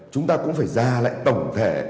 chúng ta cũng phải ra lại tổng thể